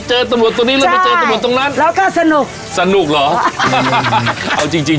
เจอตำรวจตรงนี้แล้วไปเจอตำรวจตรงนั้นแล้วก็สนุกสนุกเหรอเอาจริงจริง